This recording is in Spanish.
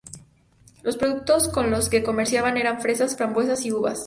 Los productos con los que comerciaban eran fresas, frambuesas y uvas.